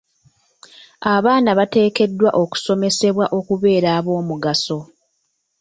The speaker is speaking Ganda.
Abaana bateekeddwa okusomesebwa okubeera ab'omugaso.